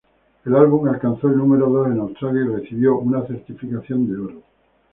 El álbum alcanzó el número dos en Australia y recibió una certificación de oro.